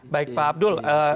baik pak abdul